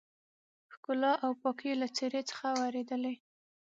ښکلا او پاکي يې له څېرې څخه ورېدلې.